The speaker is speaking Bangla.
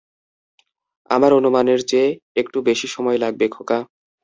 আমার অনুমানের চেয়ে একটু বেশি সময় লাগবে, খোকা।